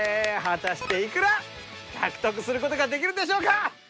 果たしていくら獲得する事ができるんでしょうか。